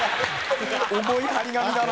重い貼り紙だな。